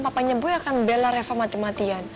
papanya boy akan bela reva mati matian